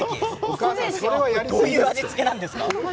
どういう味付けなんですか？